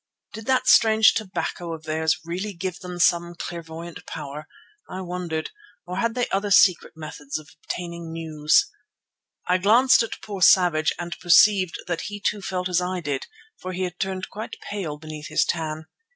Did that strange "tobacco" of theirs really give them some clairvoyant power, I wondered, or had they other secret methods of obtaining news? I glanced at poor Savage and perceived that he too felt as I did, for he had turned quite pale beneath his tan.